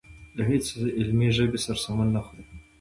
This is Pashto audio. له هېڅ علمي ژبې سره سمون نه خوري.